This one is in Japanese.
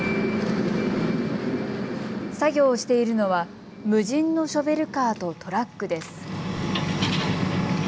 作業をしているのは、無人のショベルカーとトラックです。